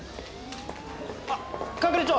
あっ係長。